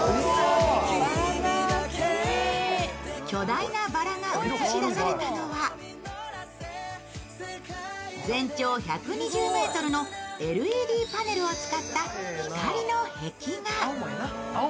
巨大なばらが映し出されたのは全長１２０ｍのＬＥＤパネルを使った光の壁画。